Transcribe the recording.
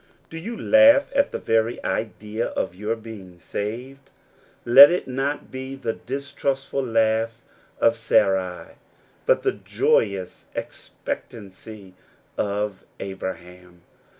Do you laugh at the very idea of your being saved ? Let it not be the distrustful laugh of Sarai, but the joyous expectancy of Abraham.